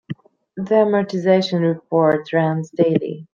The amortization report runs daily.